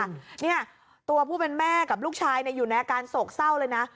เนี่ยตัวผู้เป็นแม่กับลูกชายอยู่ในอาการโศกเศร้าเลยนะ